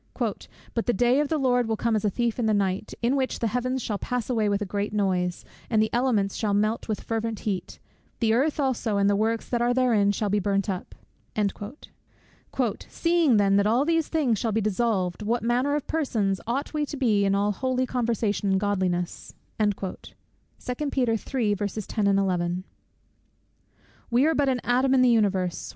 "But the day of the Lord will come as a thief in the night; in which the Heavens shall pass away with a great noise, and the elements shall melt with fervent heat; the earth also and the works that are therein shall be burnt up" "Seeing then, that all these things shall be dissolved, what manner of persons ought we to be in all holy conversation and Godliness?" We are but an atom in the universe.